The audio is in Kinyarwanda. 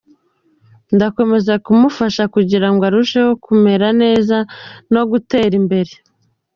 Ndakomeza kumufasha kugira ngo arusheho kumera neza no gutera imbere.